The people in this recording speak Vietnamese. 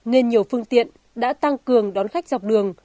nên nhiều phương tiện đã tăng cường đón khách dọc đường